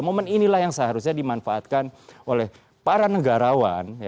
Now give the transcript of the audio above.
momen inilah yang seharusnya dimanfaatkan oleh para negarawan